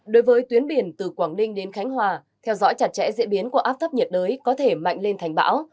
đối với tuyến biển từ quảng ninh đến khánh hòa theo dõi chặt chẽ diễn biến của áp thấp nhiệt đới có thể mạnh lên thành bão